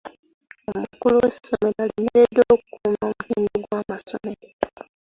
Omukulu w'essomero alemereddwa okukuuma omutindo gw'amasomero.